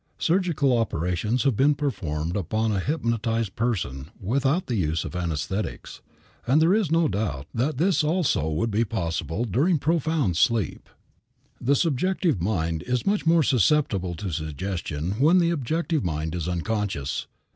Surgical operations have been performed upon a hypnotized person without the use of anesthetics; and there is no doubt that this also would be possible during profound sleep. The subjective mind is much more susceptible to suggestion when the objective mind is unconscious.